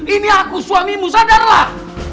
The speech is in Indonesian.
ini aku suamimu sadarlah